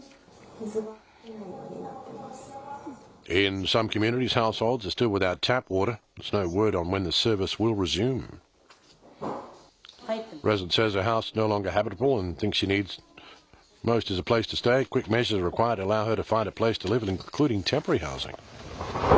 水が出ないようになっています。